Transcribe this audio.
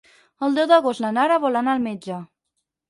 El deu d'agost na Nara vol anar al metge.